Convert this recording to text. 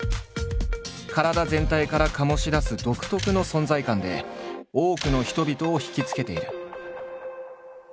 体全体から醸し出す独特の存在感で多くの人々を惹きつけている。